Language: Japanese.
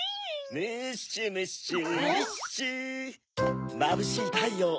ムッシュムッシュキッシュまぶしいたいよう